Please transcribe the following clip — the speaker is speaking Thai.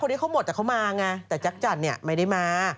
ที่เขาหมดแต่เขามาไงแต่จักรจันทร์เนี่ยไม่ได้มา